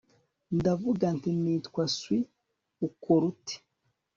ndavuga nti nitwa sue. ukora ute